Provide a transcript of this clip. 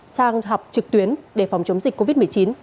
sang học trực tuyến để phòng chống dịch covid một mươi chín